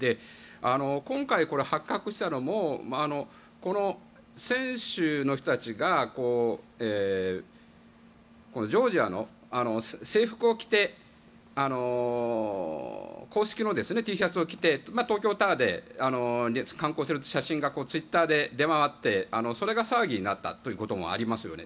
今回、発覚したのもこの選手の人たちがジョージアの制服を着て公式のＴシャツを着て東京タワーで観光している写真がツイッターで出回ってそれが騒ぎになったということもありますよね。